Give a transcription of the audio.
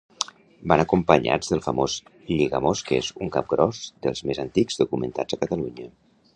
Van acompanyats del famós Lligamosques, un capgròs dels més antics documentats a Catalunya.